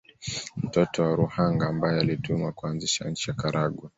Mtoto wa Ruhanga ambaye alitumwa kuanzisha nchi ya Karagwe